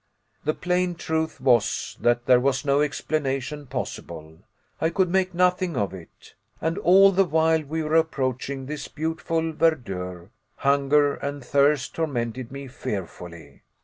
The plain truth was, that there was no explanation possible. I could make nothing of it. And all the while we were approaching this beautiful verdure, hunger and thirst tormented me fearfully.